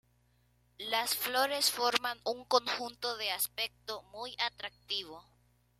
Las flores forman un conjunto de aspecto muy atractivo.